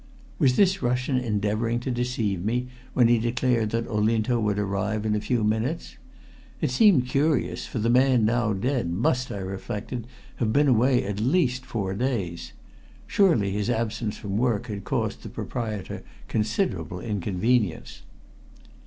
Was this Russian endeavoring to deceive me when he declared that Olinto would arrive in a few minutes? It seemed curious, for the man now dead must, I reflected, have been away at least four days. Surely his absence from work had caused the proprietor considerable inconvenience?